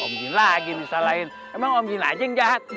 om jin lagi misal lain emang om jin aja yang jahat